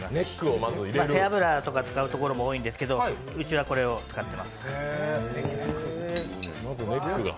背脂とか使うところも多いんですけど、うちはこれを使います。